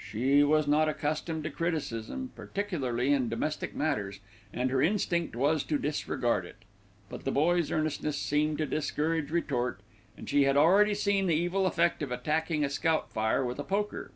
She was not accustomed to criticism, particularly in domestic matters, and her instinct was to disregard it; but the boy's earnestness seemed to discourage retort, and she had already seen the evil effect of attacking a scout fire with a poker.